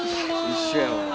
一緒やわ。